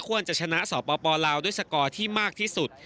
ควรจะชนะสปลาวด้วยสกอร์ที่มากที่สุด